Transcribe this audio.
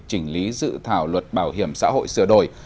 chỉnh lý dự thảo luật bảo hiểm xã hội sửa đổi